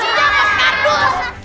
sampai kena mas kardus